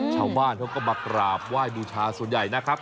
ชาวบ้านเขาก็มากราบไหว้บูชาส่วนใหญ่นะครับ